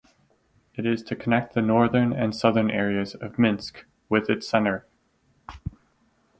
It is to connect the northern and southern areas of Minsk with its center.